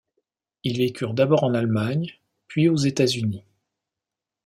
Ils vécurent d'abord en Allemagne, puis aux États-Unis.